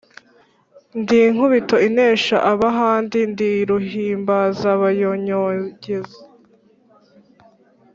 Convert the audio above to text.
Ndi Nkubito inesha ab'ahandi, ndi ruhimbaza abanyogeza